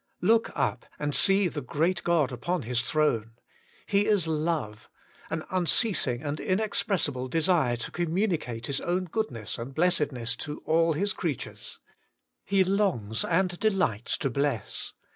Look up and see the great God upon His throne. He is Love — an unceasing and inexpres sible desire to communicate His own goodness and blessedness to all His creatures. He longs and delights to bless.